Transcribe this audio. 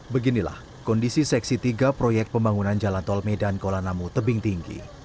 beginilah kondisi seksi tiga proyek pembangunan jalan tol medan kuala namu tebing tinggi